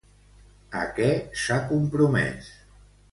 A què s'ha compromès?